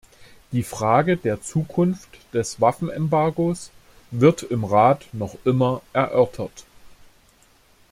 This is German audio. Die Frage der Zukunft des Waffenembargos wird im Rat noch immer erörtert.